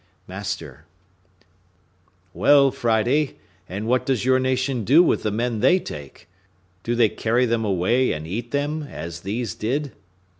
Master.—Well, Friday, and what does your nation do with the men they take? Do they carry them away and eat them, as these did?